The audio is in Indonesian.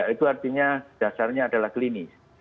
itu artinya dasarnya adalah klinis